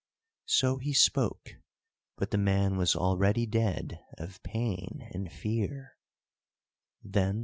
So he spoke, but the man was already dead of pain and fear.